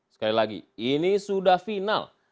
sekali lagi ini sudah final